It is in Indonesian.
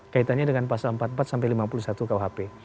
kaitannya dengan pasal empat puluh empat sampai lima puluh satu kuhp